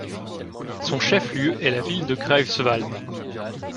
Son chef-lieu est la ville de Greifswald.